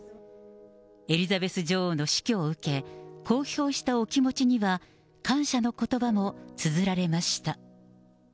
エリザベス女王の死去を受け、公表したお気持ちには、感謝のことばもつづられました。